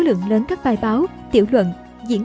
lượng lớn các bài báo tiểu luận diễn